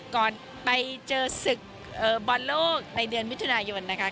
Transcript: ก่อนไปเจอศึกบอลโลกในเดือนมิถุนายนนะคะ